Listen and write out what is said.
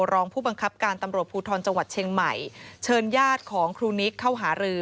รองผู้บังคับการตำรวจภูทรจังหวัดเชียงใหม่เชิญญาติของครูนิกเข้าหารือ